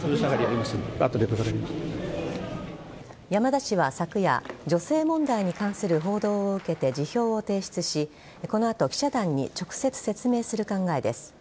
山田氏は昨夜女性問題に関する報道を受けて辞表を提出しこの後記者団に直接説明する考えです。